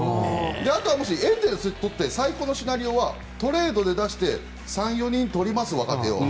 あとはエンゼルスにとって最高のシナリオはトレードで出して３４人取ります若手を。